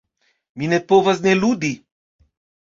Mi ne povas ne ludi.